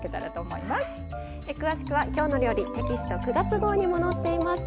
詳しくは「きょうの料理」テキスト９月号にも載っています。